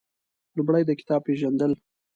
لومړی د کتاب پېژندل